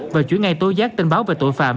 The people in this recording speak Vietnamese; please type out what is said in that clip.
và chuyển ngay tối giác tình báo về tội phạm